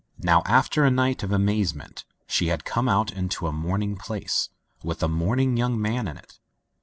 Now, after a night of amazement, she had come out into a morning place, with a morning young man in it.